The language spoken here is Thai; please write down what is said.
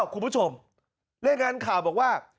คุณผู้ชมแล้วยังงั้นข่าวบอกว่า